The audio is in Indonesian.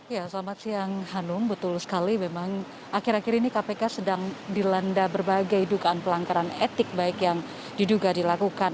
ya selamat siang hanum betul sekali memang akhir akhir ini kpk sedang dilanda berbagai dugaan pelanggaran etik baik yang diduga dilakukan